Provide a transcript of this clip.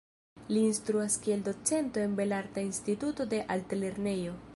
Li instruas kiel docento en belarta instituto de altlernejo.